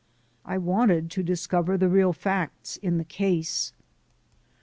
I wanted to discover the real facts in the case.